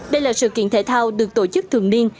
đây là sự kiện thể thao được tổ chức thường niên